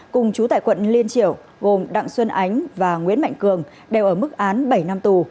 cùng chú tại quận liên triểu gồm đặng xuân ánh và nguyễn mạnh cường đều ở mức án bảy năm tù